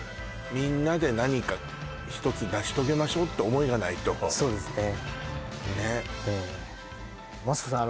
みんなで何か一つ成し遂げましょうって思いがないとそうですねねっマツコさん